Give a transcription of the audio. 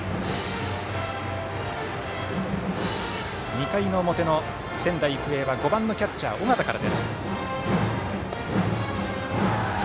２回の表の仙台育英は５番、キャッチャー、尾形から。